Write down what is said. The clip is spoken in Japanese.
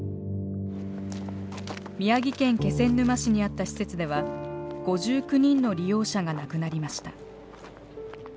宮城県気仙沼市にあった施設では５９人の利用者が亡くなりました。